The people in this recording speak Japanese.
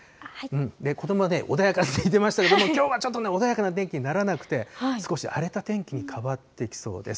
子どもは穏やかって言ってましたけども、きょうはちょっとね、穏やかな天気にならなくて、少し荒れた天気に変わってきそうです。